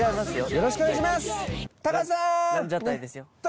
よろしくお願いします。